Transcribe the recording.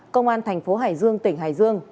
công an thành phố hải dương tỉnh hải dương